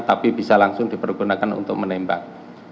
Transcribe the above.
tapi bisa langsung dipergunakan untuk menembak